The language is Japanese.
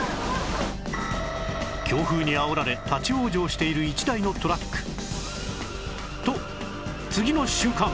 強風にあおられ立ち往生している一台のトラックと次の瞬間！